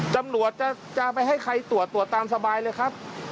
ตำรวจจะไปให้ใครตรวจตรวจตามสบายเลยครับ